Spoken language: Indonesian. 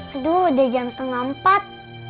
aduh udah jam setengah empat